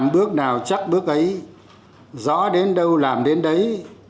bước nào chắc bước ấy rõ đến đâu làm đến đấy